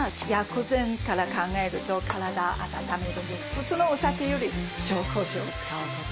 普通のお酒より紹興酒を使うこと。